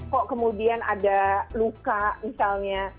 kok kemudian ada luka misalnya